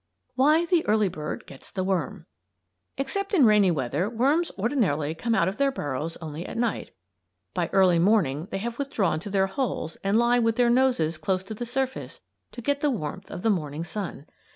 WHY THE EARLY BIRD GETS THE WORM Except in rainy weather worms ordinarily come out of their burrows only at night. By early morning they have withdrawn into their holes and lie with their noses close to the surface to get the warmth of the morning sun.